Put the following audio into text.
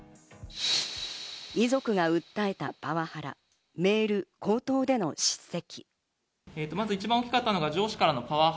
遺族が訴えたパワハラ、メール、口頭での叱責。